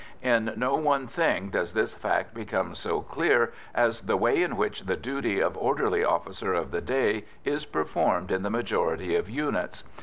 In no one thing does this fact become so clear as the way in which the duty of orderly officer of the day is performed in the majority of units.